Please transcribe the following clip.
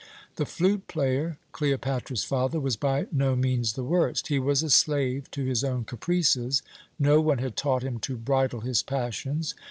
"The flute player, Cleopatra's father, was by no means the worst. He was a slave to his own caprices; no one had taught him to bridle his passions.